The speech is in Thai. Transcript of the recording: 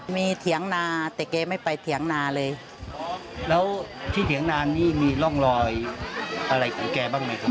มีเถียงนาแต่แกไม่ไปเถียงนาเลยแล้วที่เถียงนานี่มีร่องรอยอะไรของแกบ้างไหมครับ